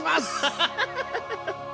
ハッハハハ！